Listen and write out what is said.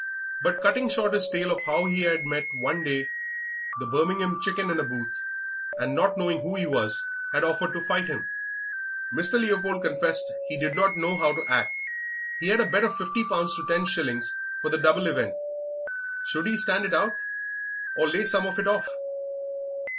But cutting short his tale of how he had met one day the Birmingham Chicken in a booth, and, not knowing who he was, had offered to fight him, Mr. Leopold confessed he did not know how to act he had a bet of fifty pounds to ten shillings for the double event; should he stand it out or lay some of it off?